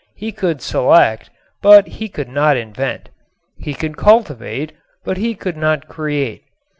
He could select, but he could not invent. He could cultivate, but he could not create.